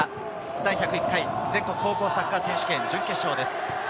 第１０１回全国高校サッカー選手権準決勝です。